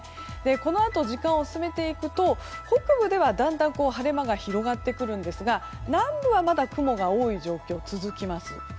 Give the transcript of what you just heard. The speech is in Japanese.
このあと、時間を進めていくと北部では、だんだん晴れ間が広がってくるんですが南部は、まだ雲が多い状況が続きます。